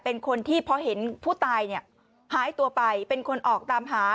เป็นคนที่พอเห็นผู้ตายเนี่ยหายตัวไปเป็นคนออกตามหา